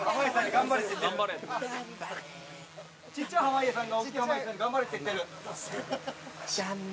頑張れ頑張れ・ちっちゃい濱家さんがおっきい濱家さんに頑張れって言ってる濱家さん